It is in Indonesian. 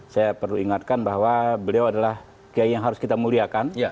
saya perlu ingatkan bahwa beliau adalah kiai yang harus kita muliakan